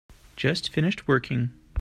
Just finished working.